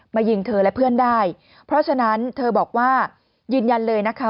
ยิงเธอและเพื่อนได้เพราะฉะนั้นเธอบอกว่ายืนยันเลยนะคะ